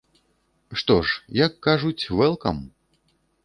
Што ж, як кажуць, вэлкам!